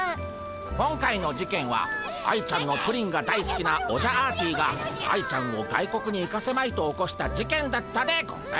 今回の事件は愛ちゃんのプリンが大すきなオジャアーティが愛ちゃんを外国に行かせまいと起こした事件だったでゴンス。